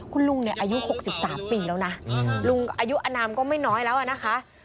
คุณลุงเนี่ยอายุ๖๓ปีแล้วนะลุงอายุอนามก็ไม่น้อยแล้วนะคะ